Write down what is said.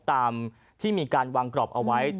ตามที่มีการวางกรอบเอาไว้